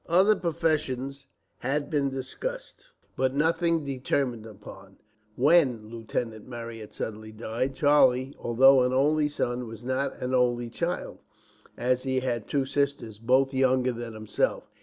Other professions had been discussed, but nothing determined upon, when Lieutenant Marryat suddenly died. Charlie, although an only son, was not an only child, as he had two sisters both younger than himself.